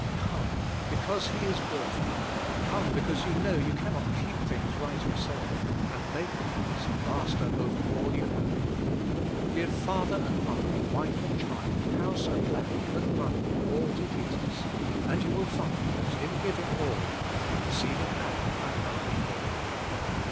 Come, because He is worthy; come because you know you can not keep things right yourself, and make Christ master over all you have. Give father and mother, wife and child, house and land, and money, all to Jesus, and you will find that in giving all you re ceive it back an hundred fold.